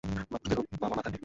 মানুষদেরও বাবা-মা থাকে?